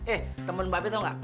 eh temen mba be tau gak